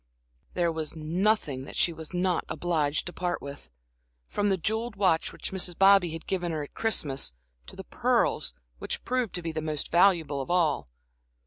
There was nothing that she was not obliged to part with from the jeweled watch which Mrs. Bobby had given her at Christmas, to the pearls, which proved to be the most valuable of all.